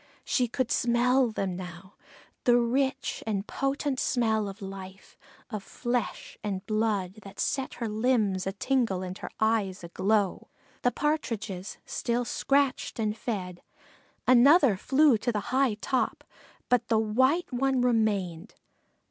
She could smell them now the rich and potent smell of life, of flesh and blood, that set her limbs a tingle and her eyes a glow. The Partridges still scratched and fed; another flew to the high top, but the white one remained.